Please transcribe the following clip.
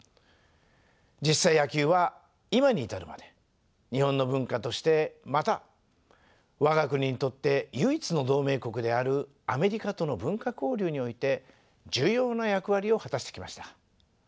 実際野球は今に至るまで日本の文化としてまた我が国にとって唯一の同盟国であるアメリカとの文化交流において重要な役割を果たしてきました。